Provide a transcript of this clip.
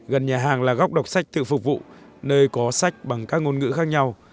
gần nhà hàng là góc đọc sách tự phục vụ nơi có sách bằng các ngôn ngữ khác nhau